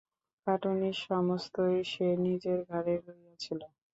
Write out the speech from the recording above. খাটুনি সমস্তই সে নিজের ঘাড়ে লইয়াছিল।